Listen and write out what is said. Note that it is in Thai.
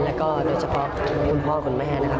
แล้วก็โดยเฉพาะคุณพ่อคุณแม่นะครับ